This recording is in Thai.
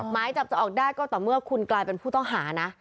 หมายจับจะออกได้ก็ต่อเมื่อคุณกลายเป็นผู้ต้องหานะ